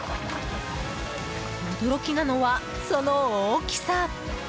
驚きなのは、その大きさ！